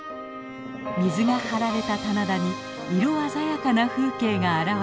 水が張られた棚田に色鮮やかな風景が現れます。